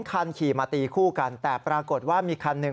คันขี่มาตีคู่กันแต่ปรากฏว่ามีคันหนึ่ง